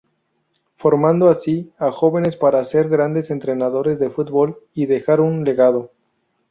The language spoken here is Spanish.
Formando así, a jóvenes para ser grandes entrenadores de fútbol y dejar un legado.